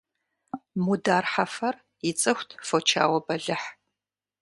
Мудар Хьэфэр ицӀыхут фочауэ бэлыхь.